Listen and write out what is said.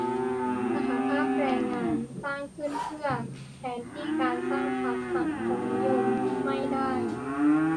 สหภาพแรงงานสร้างขึ้นมาเพื่อแทนที่การสร้างพรรคสังคมนิยมไม่ได้